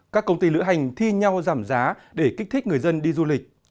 các công ty lữ hành thi nhau giảm giá để kích thích người dân đi du lịch